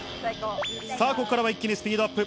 ここからは一気にスピードアップ。